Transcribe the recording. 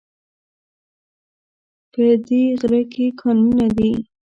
په دی غره کې کانونه دي